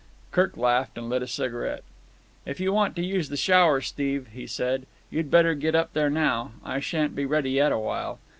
Kirk laughed and lit a cigarette. "If you want to use the shower, Steve," he said, "you'd better get up there now. I shan't be ready yet awhile.